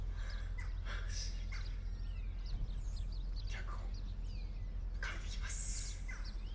脚本書いてきます。